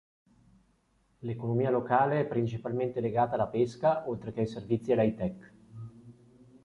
L'economia locale è principalmente legata alla pesca, oltre che ai servizi e all"'hi-tech".